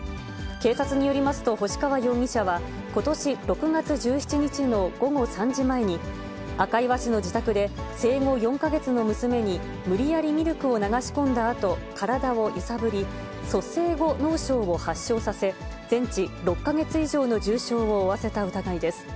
警察によりますと、星川容疑者はことし６月１７日の午後３時前に、赤磐市の自宅で、生後４か月の娘に無理やりミルクを流し込んだあと、体を揺さぶり、蘇生後脳症を発症させ、全治６か月以上の重症を負わせた疑いです。